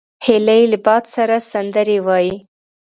هیلۍ له باد سره سندرې وايي